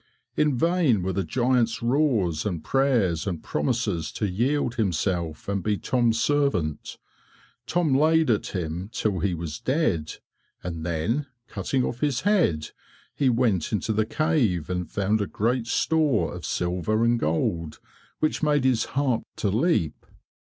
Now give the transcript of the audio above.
In vain were the giant's roars and prayers and promises to yield himself and be Tom's servant. Tom laid at him till he was dead, and then, cutting off his head, he went into the cave, and found a great store of silver and gold, which made his heart to leap.